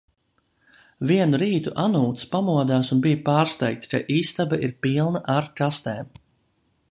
Vienu rītu Anūts pamodās un bija pārsteigts, ka istaba ir pilna ar kastēm.